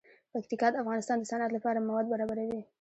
پکتیکا د افغانستان د صنعت لپاره مواد برابروي.